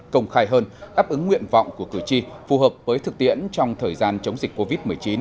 công khai hơn áp ứng nguyện vọng của cử tri phù hợp với thực tiễn trong thời gian chống dịch covid một mươi chín